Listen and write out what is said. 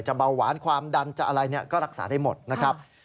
เบาหวานความดันจะอะไรก็รักษาได้หมดนะครับ